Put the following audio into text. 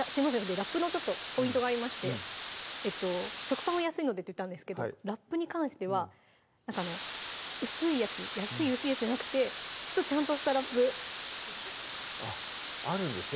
ラップのポイントがありまして食パンは安いのでって言ったんですけどラップに関しては薄いやつ安い薄いやつじゃなくてちょっとちゃんとしたラップあっあるんですね